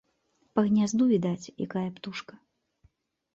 Па гнязду відаць, якая птушка